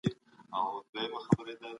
هغه خو وخته لا مړ سوى دی ژوندى نـه دی